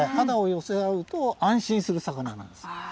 肌を寄せ合うと、安心する魚なんです。